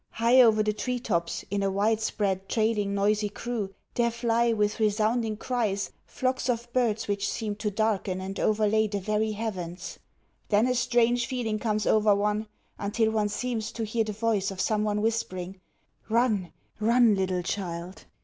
High over the tree tops, in a widespread, trailing, noisy crew, there fly, with resounding cries, flocks of birds which seem to darken and overlay the very heavens. Then a strange feeling comes over one, until one seems to hear the voice of some one whispering: "Run, run, little child!